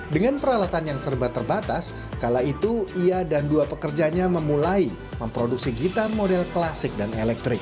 dengan peralatan yang serba terbatas kala itu ia dan dua pekerjanya memulai memproduksi gitar model klasik dan elektrik